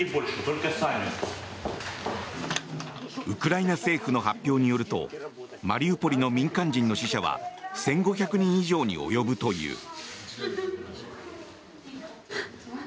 ウクライナ政府の発表によるとマリウポリの民間人の死者は１５００人以上に及ぶという。